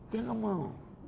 dia tidak mau